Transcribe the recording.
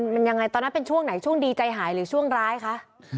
มันยังไงตอนนั้นเป็นช่วงไหนช่วงดีใจหายหรือช่วงร้ายคะ